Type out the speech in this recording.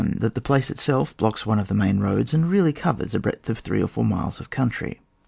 That the place in itself blocks one of the main roads, and really covers a breadth of three or four miles of country. (2.)